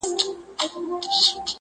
د مُحبت کچکول په غاړه وړم د میني تر ښار.